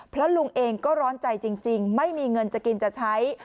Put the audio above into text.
เพราะลุงเองก็ร้อนใจจริงไม่มีเงินจะกินจะใช้